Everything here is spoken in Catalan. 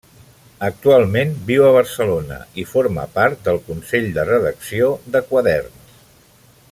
Actualment viu a Barcelona i forma part del consell de redacció de Quaderns.